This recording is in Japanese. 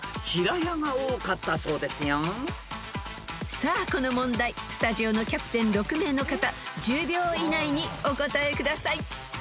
［さあこの問題スタジオのキャプテン６名の方１０秒以内にお答えください］